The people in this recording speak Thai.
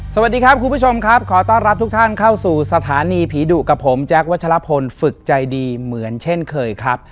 สวัสดีครับคุณผู้ชมครับขอต้อนรับทุกท่านเข้าสู่สถานีผีดุกับผมแจ๊ควัชลพลฝึกใจดีเหมือนเช่นเคยครับ